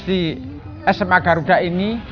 di sma garuda ini